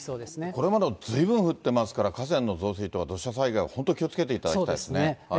これまでもずいぶん降ってますから、河川の増水とか土砂災害、本当、気をつけてそうですね。